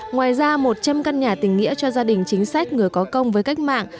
ngoài ra một trăm linh căn nhà tình nghĩa cho gia đình chính sách người có công với cách mạng